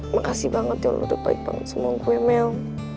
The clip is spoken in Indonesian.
makasih banget ya lo udah baik banget sama gue mel